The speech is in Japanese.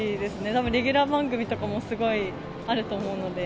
たぶん、レギュラー番組とかもすごいあると思うので。